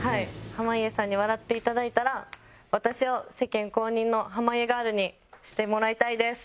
濱家さんに笑っていただいたら私を世間公認の濱家ガールにしてもらいたいです。